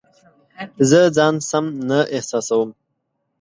زه ځان سم نه احساسوم